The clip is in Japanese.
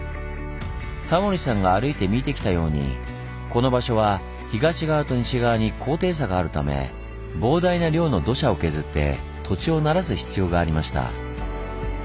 タモリさんが歩いて見てきたようにこの場所は東側と西側に高低差があるため膨大な量の土砂を削って土地をならす必要がありました。